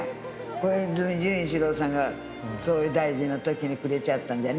小泉純一郎さんが総理大臣のときにくれちゃったんだね。